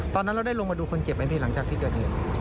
ตอนนั้นเราได้ลงมาดูคนเจ็บไหมพี่หลังจากที่เกิดเหตุ